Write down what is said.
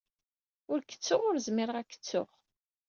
Ur k-ttuɣ, ur zmireɣ ad k-ttuɣ.